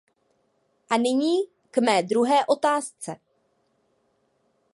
A nyní k mé druhé otázce.